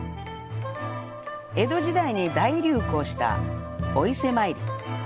江戸時代に大流行した「お伊勢参り」。